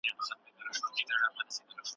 جلادانو به د پاچا له خوښۍ پرته هر څوک خاموشه کول.